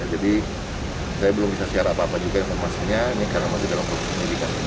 jadi saya belum bisa siar apa apa juga yang memasuknya ini karena masih dalam perusahaan penyidikan